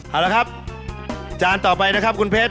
เอาละครับจานต่อไปนะครับคุณเพชร